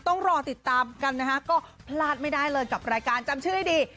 ต้องรอติดตามกันนะฮะก็พลาดไม่ได้เลยกับรายการจำชื่อให้ดี